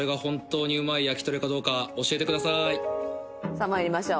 さあ参りましょう。